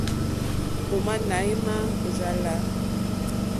Ò má náɛ̌má ò rzá lā.